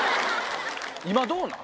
今どうなん？